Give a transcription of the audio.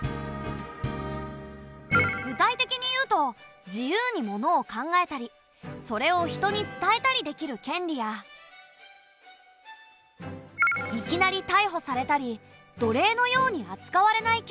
具体的に言うと自由にものを考えたりそれを人に伝えたりできる権利やいきなり逮捕されたり奴隷のように扱われない権利。